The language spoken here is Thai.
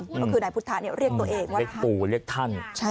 ก็คือนายพุทธะเรียกตัวเองว่าเรียกปู่เรียกท่าน